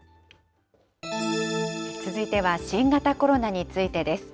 続いては新型コロナについてです。